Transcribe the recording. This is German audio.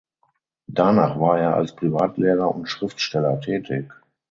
Danach war er als Privatlehrer und Schriftsteller tätig.